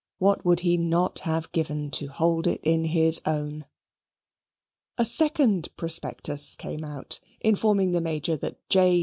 what would he not have given to hold it in his own! A second prospectus came out, informing the Major that J.